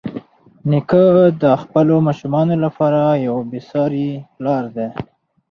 نیکه د خپلو ماشومانو لپاره یو بېساري پلار دی.